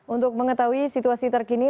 untuk mengetahui situasi terkini